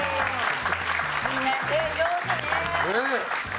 みんな、絵上手ね。